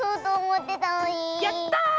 やった！